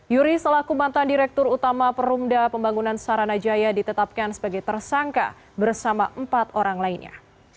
yuri selaku mantan direktur utama perumda pembangunan saranajaya ditetapkan sebagai tersangka bersama empat orang lainnya